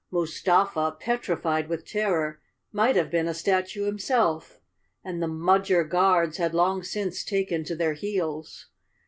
Mus¬ tafa, petrified with terror, might have been a statue himself, and the Mudger Guards had long since taken to their heels.